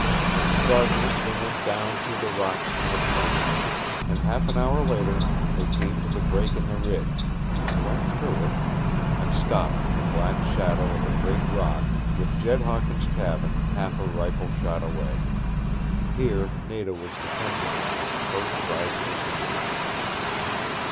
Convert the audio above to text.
In darkness they went down through the rocks to the plain, and half an hour later they came to the break in the Ridge, and went through it, and stopped in the black shadow of a great rock, with Jed Hawkins' cabin half a rifle shot away. Here Nada was to come to them with the first rising of the moon.